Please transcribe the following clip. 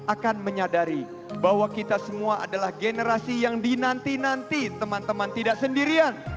akan menyadari bahwa kita semua adalah generasi yang dinanti nanti teman teman tidak sendirian